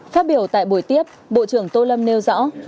phát biểu tại buổi tiếp bộ trưởng tô lâm nêu rõ